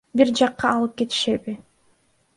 Бир жакка алып кетишеби?